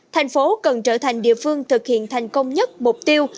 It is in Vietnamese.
tp hcm cần trở thành địa phương thực hiện thành công nhất mục tiêu